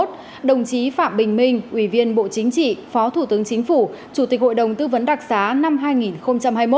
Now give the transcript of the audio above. đồng chí phạm bình minh ủy viên bộ chính trị phó thủ tướng chính phủ chủ tịch hội đồng tư vấn đặc xá năm hai nghìn hai mươi một